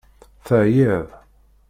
Teɛyiḍ?